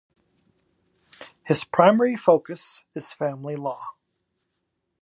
His primary focus is family law.